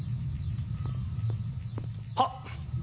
はっ！